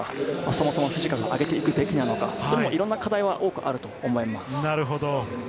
そもそもフィジカルを上げていくべきなのか、いろんな課題は多くあると思います。